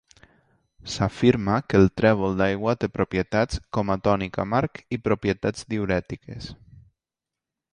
S'afirma que el trèvol d'aigua té propietats com a tònic amarg i propietats diürètiques.